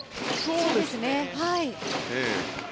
そうですね。